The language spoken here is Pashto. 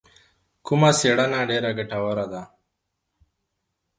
کومه څېړنه ډېره ګټوره ده؟